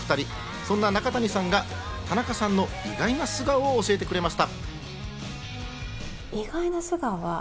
そんな中谷さんが田中さんの意外な素顔を教えてくれました。